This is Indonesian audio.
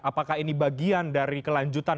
apakah ini bagian dari kelanjutan